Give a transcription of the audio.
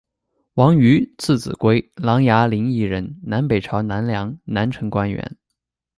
王瑜，字子圭，琅邪临沂人，南北朝南梁、南陈官员。